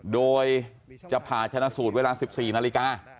โดยจะผ่าชนะสูตรเวลา๑๔นาฬิกา